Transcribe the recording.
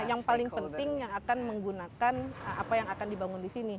yang paling penting yang akan menggunakan apa yang akan dibangun di sini